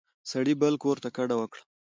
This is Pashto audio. سړي بل کور ته کډه وکړه.